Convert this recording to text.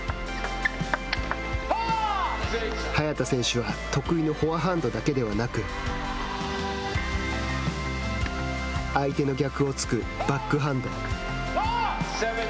早田選手は得意のフォアハンドだけではなくむしろ相手の逆を突くバックハンド。